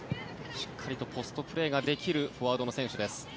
しっかりとポストプレーができるフォワードの選手です。